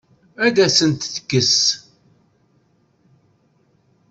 Ad asent-tt-tekkes?